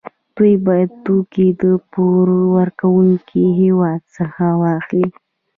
دوی باید توکي له پور ورکوونکي هېواد څخه واخلي